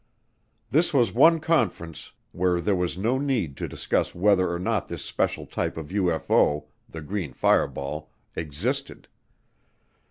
This was one conference where there was no need to discuss whether or not this special type of UFO, the green fireball, existed.